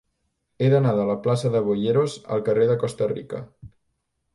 He d'anar de la plaça de Boyeros al carrer de Costa Rica.